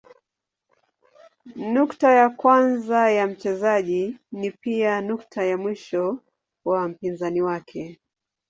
Nukta ya kwanza ya mchezaji ni pia nukta ya mwisho wa mpinzani wake.